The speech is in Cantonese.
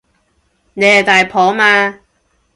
你係大婆嘛